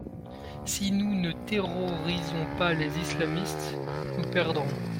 Si nous ne terrorisons pas les islamistes, nous perdrons.